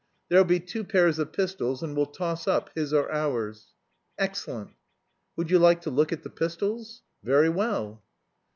There'll be two pairs of pistols, and we'll toss up, his or ours?" "Excellent." "Would you like to look at the pistols?" "Very well."